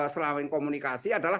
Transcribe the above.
selama yang komunikasi adalah